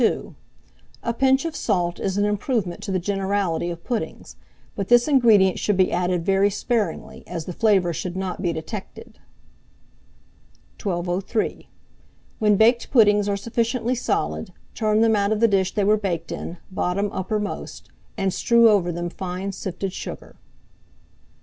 A pinch of salt is an improvement to the generality of puddings; but this ingredient should be added very sparingly, as the flavour should not be detected. 1203. When baked puddings are sufficiently solid, turn them out of the dish they were baked in, bottom uppermost, and strew over them fine sifted sugar.